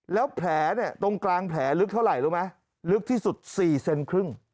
แล้วแผลเนี่ยตรงกลางแผลลึกเท่าไหร่รู้ไหมลึกที่สุด๔เซนครึ่ง